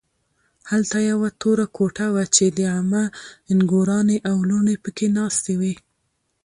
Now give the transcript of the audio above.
هلته یوه توره کوټه وه چې د عمه نګورانې او لوڼې پکې ناستې وې